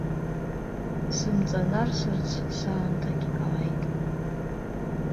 Сымҵанарсырц саамҭагь ааит.